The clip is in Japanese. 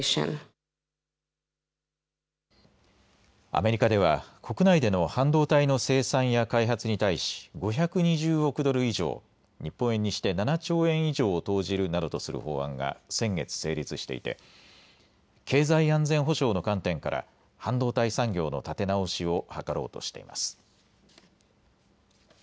アメリカでは国内での半導体の生産や開発に対し５２０億ドル以上、日本円にして７兆円以上を投じるなどとする法案が先月、成立していて経済安全保障の観点から半導体産業の立て直しを図ろうとしています。